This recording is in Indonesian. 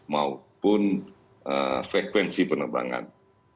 maupun frekuensi penerbangan